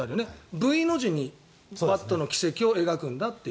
Ｖの字にバットの軌跡を描くんだと。